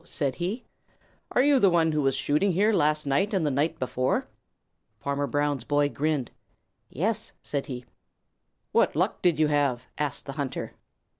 said he. "Are you the one who was shooting here last night and the night before?" Farmer Brown's boy grinned. "Yes," said he. "What luck did you have?" asked the hunter.